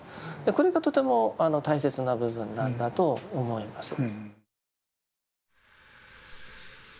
これがとても大切な部分なんだと思います。